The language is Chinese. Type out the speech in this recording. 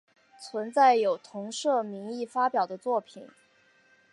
存在有同社名义发表的作品。